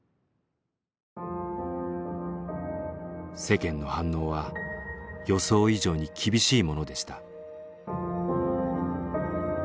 世間の反応は予想以上に厳しいものでした。